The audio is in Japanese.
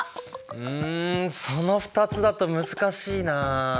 うんその２つだと難しいな。